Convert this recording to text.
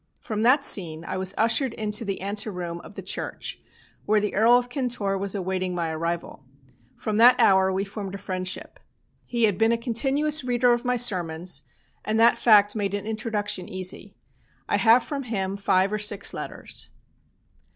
From that scene I was ushered into the ante room of the church where the Earl of Kintore was awaiting my arrival. From that hour we formed a friendship. He had been a continuous reader of my sermons, and that fact made an introduction easy. I have from him five or six letters.